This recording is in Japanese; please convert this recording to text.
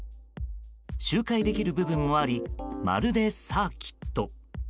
周回できる部分もありまるでサーキット。